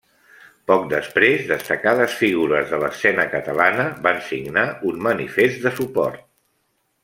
Poc després, destacades figures de l'escena catalana van signar un manifest de suport.